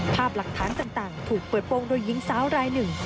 ภาพหลักฐานต่างถูกเปิดโปรงโดยหญิงสาวรายหนึ่ง